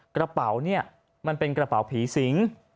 กระเป๋าเนี่ยมันเป็นกระเป๋าผีสิง